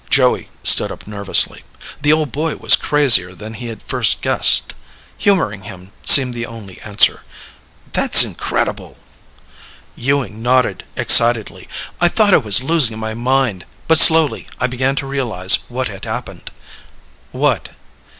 Joey stood up nervously. The old boy was crazier than he had first guessed. Humoring him seemed the only answer. "That's incredible." Ewing nodded excitedly. "I thought I was losing my mind. But, slowly, I began to realize what had happened." "What?"